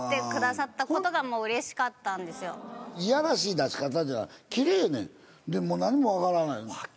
いやらしい出し方じゃないキレイねんで何も分からない。